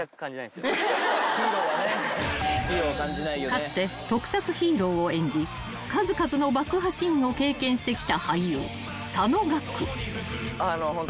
［かつて特撮ヒーローを演じ数々の爆破シーンを経験してきた］